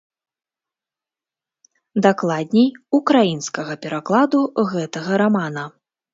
Дакладней, украінскага перакладу гэтага рамана.